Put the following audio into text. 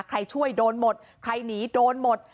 ใครช่วยโดนหมดใครหนีโดนหมด